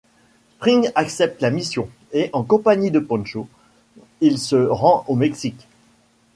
Spring accepte la mission et en compagnie de Pancho, il se rend au Mexique.